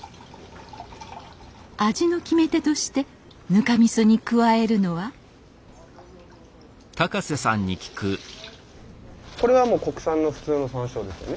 味の決め手としてぬかみそに加えるのはこれは国産の普通の山椒ですね。